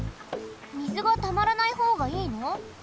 みずがたまらないほうがいいの？